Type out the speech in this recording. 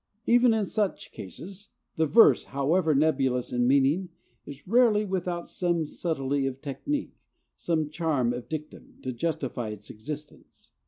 Even in such cases, the verse, however nebulous in meaning, is rarely without some subtlety of technique, some charm of diction, to justify its existence.